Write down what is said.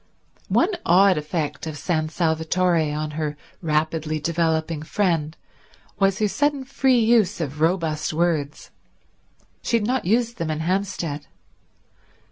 One odd effect of San Salvatore on her rapidly developing friend was her sudden free use of robust words. She had not used them in Hampstead.